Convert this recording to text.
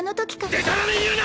でたらめ言うな！！